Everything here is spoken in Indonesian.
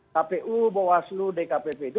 kpu bawaslu dkpv itu